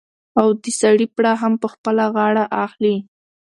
او د سړي پړه هم په خپله غاړه اخلي.